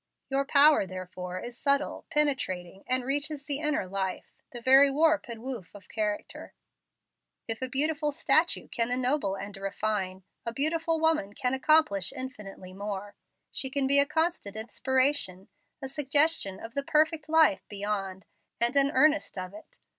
Your power, therefore, is subtle, penetrating, and reaches the inner life, the very warp and woof of character. If a beautiful statue can ennoble and refine, a beautiful woman can accomplish infinitely more. She can be a constant inspiration, a suggestion of the perfect life beyond and an earnest of it.